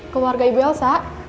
keluarga ibu elsa